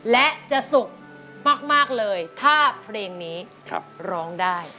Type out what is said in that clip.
และจะสุขมากเลยถ้าเพลงนี้ร้องได้